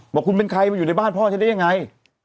บอกคุณเป็นใครมาอยู่ในบ้านพ่อฉันได้ยังไง